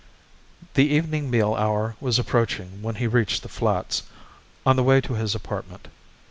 The evening meal hour was approaching when he reached the Flats, on the way to his apartment.